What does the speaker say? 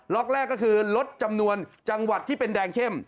็อกแรกก็คือลดจำนวนจังหวัดที่เป็นแดงเข้ม